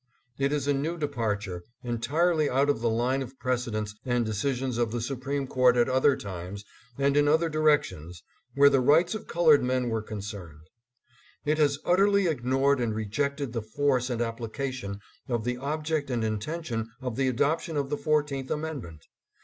It is a new departure, entirely out of the line of precedents and decisions of the Supreme Court at other times and in other directions where the rights of colored men were con cerned. It has utterly ignored and rejected the force and application of the object and intention of the adoption of the Fourteenth Amendment.